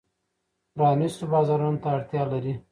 پرانیستو بازارونو ته اړتیا لري.